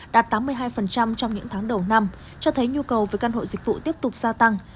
đạt tám mươi hai trong những tháng đầu năm cho thấy nhu cầu về căn hộ dịch vụ tiếp tục gia tăng